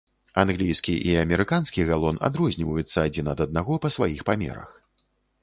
Англійскі і амерыканскі галон адрозніваюцца адзін ад аднаго па сваіх памерах.